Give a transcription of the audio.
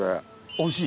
おいしい？